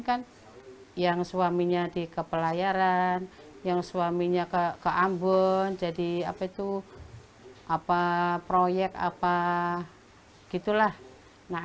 kan yang suaminya di kepelayaran yang suaminya ke ke ambon jadi apa itu apa proyek apa gitu lah nah